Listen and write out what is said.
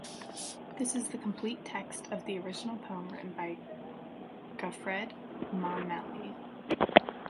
This is the complete text of the original poem written by Goffredo Mameli.